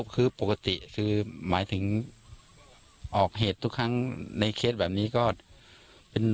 คือปกติคือหมายถึงออกเหตุทุกครั้งในเคสแบบนี้ก็เป็น